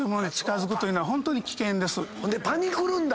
ほんでパニクるんだ。